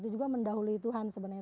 itu juga mendahului tuhan sebenarnya